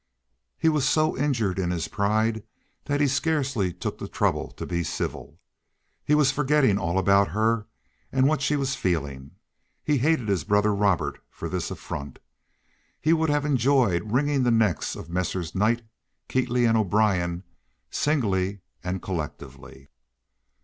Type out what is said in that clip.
He was so injured in his pride that he scarcely took the trouble to be civil. He was forgetting all about her and what she was feeling. He hated his brother Robert for this affront. He would have enjoyed wringing the necks of Messrs. Knight, Keatley & O'Brien, singly and collectively.